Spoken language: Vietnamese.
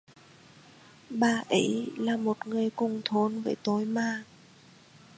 bà ấy là một người cùng thôn với tôi mà